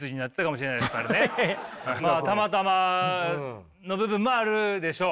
まあたまたまの部分もあるでしょう。